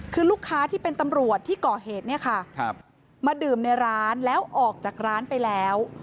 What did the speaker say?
คือลูกค้าที่เป็นตำรวจที่ก่อเหตุเนี่ยค่ะมาดื่มในร้านแล้วออกจากร้านไปแล้ว